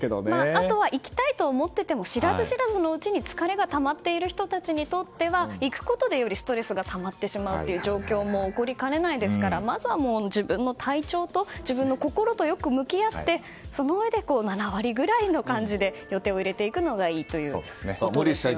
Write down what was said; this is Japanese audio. あとは、行きたいと思ってても知らず知らずのうちに疲れがたまっている人たちにとっては行くことでよりストレスがたまってしまうという状況も起こりかねないですからまずは自分の体調と自分の心とよく向き合ってそのうえで７割くらいの感じで予定を入れていくのがいいと。